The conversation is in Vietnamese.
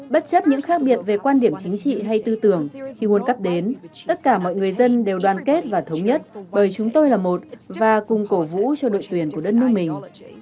bất chấp những khác biệt về quan điểm chính trị hay tư tưởng khi world cup đến tất cả mọi người dân đều đoàn kết và thống nhất bởi chúng tôi là một và cùng cổ vũ cho đội tuyển của đất nước mình